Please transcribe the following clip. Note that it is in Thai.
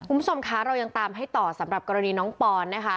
คุณผู้ชมคะเรายังตามให้ต่อสำหรับกรณีน้องปอนนะคะ